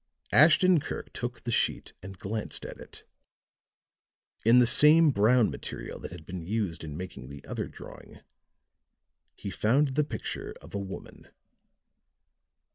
Ashton Kirk took the sheet and glanced at it. In the same brown material that had been used in making the other drawing he found the picture of a woman.